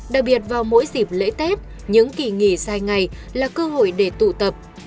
đặc biệt vào mỗi dịp lễ tết những kỳ nghỉ dài ngày là cơ hội để tụ tập